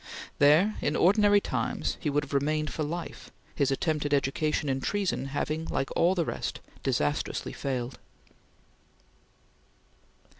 There, in ordinary times, he would have remained for life, his attempt at education in treason having, like all the rest, disastrously failed.